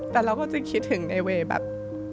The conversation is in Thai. แต่เราก็จะคิดถึงในเวย์แบบ